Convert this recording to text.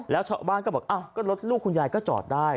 แล้วชาวบ้านก็บอกอ้าวก็รถลูกคุณยายก็จอดได้